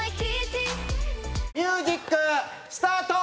ミュージックスタート！